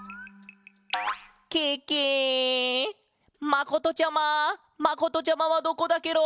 まことちゃままことちゃまはどこだケロ？